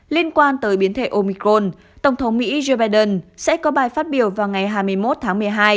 liên quan tới biến thể omicron tổng thống mỹ joe biden sẽ có bài phát biểu vào ngày hai mươi một tháng một mươi hai